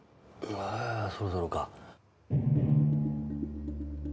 うわそろそろか。